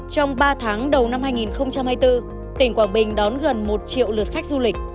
trong ba tháng đầu năm hai nghìn hai mươi bốn tỉnh quảng bình đón gần một triệu lượt khách du lịch